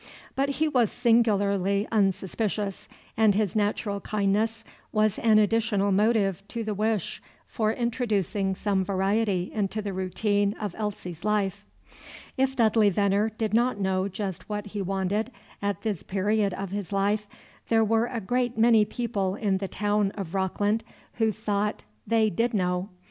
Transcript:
But he was singularly unsuspicious, and his natural kindness was an additional motive to the wish for introducing some variety into the routine of Elsie's life. If Dudley Veneer did not know just what he wanted at this period of his life, there were a great many people in the town of Rockland who thought they did know.